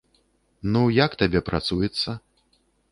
Ну, як табе працуецца?